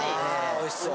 おいしそう！